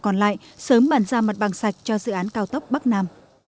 trong đoạn còn lại sớm bàn giao mặt bằng sạch cho dự án cao tốc bắc nam